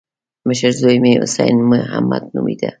مشر زوی مې حسين محمد نومېده.